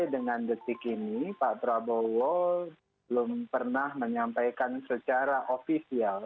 dengan detik ini pak prabowo belum pernah menyampaikan secara ofisial